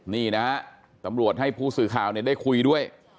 นี่นะฮะตำรวจให้ผู้สื่อข่าวได้คุยด้วย